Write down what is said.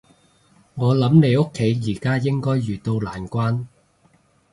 我諗你屋企而家應該遇到難關